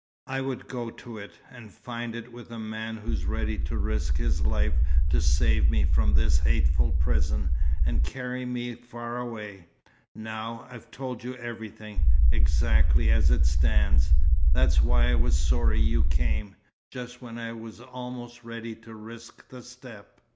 "I would go to it, and find it with the man who's ready to risk his life to save me from this hateful prison, and carry me far away. Now, I've told you everything, exactly as it stands. That's why I was sorry you came, just when I was almost ready to risk the step.